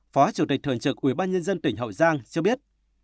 phó chủ tịch thượng trực ubnd tp hậu giang cho biết